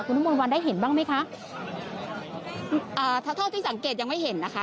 คุณวิมวลวันได้เห็นบ้างไหมคะอ่าที่สังเกตยังไม่เห็นนะคะ